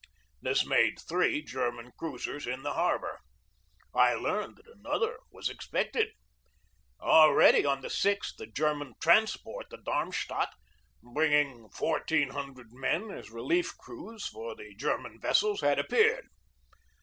This made three German cruisers in the harbor. I learned that another was expected. Already, on the 6th, a Ger man transport, the Darmstadt, bringing fourteen hundred men as relief crews for the German vessels, had appeared.